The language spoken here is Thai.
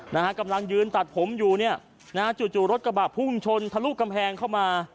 นะฮะกำลังยืนตัดผมอยู่เนี่ยนะฮะจู่จู่รถกระบะพุ่งชนทะลุกำแพงเข้ามา